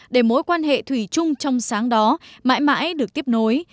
để mối quan hệ thủy chung trong sáng đó mãi mãi được tiếp nối